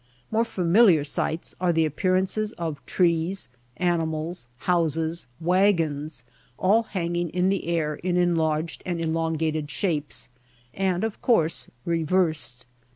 More familiar sights are the appearances of trees, animals, houses, wagons, all hanging in the air in enlarged and elongated shapes and, of course, reversed.